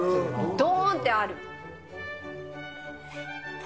どーんってある。